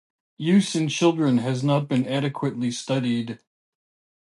Use in children has not been adequately studied.